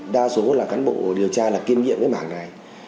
đa số là cán bộ điều tra là kiên nghiệm cái mảng này